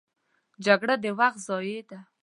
جګړه د وخت ضیاع ده